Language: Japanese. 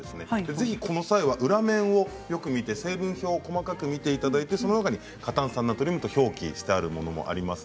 ぜひこの際は裏面をよく見て成分表を細かく見ていただいてその中に過炭酸ナトリウムと表記してあるものもあります。